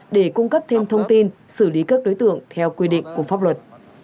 để cung cấp thêm thông tin xử lý các đối tượng theo quy định của pháp luật